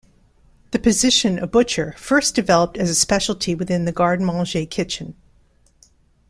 The position of "butcher" first developed as a specialty within the garde manger kitchen.